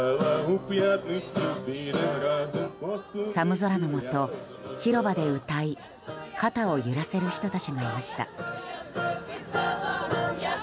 寒空のもと、広場で歌い肩を揺らせる人たちがいました。